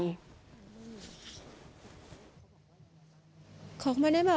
อยู่ดีมาตายแบบเปลือยคาห้องน้ำได้ยังไง